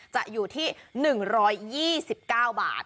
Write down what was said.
จะอยู่ที่๑๒๙บาท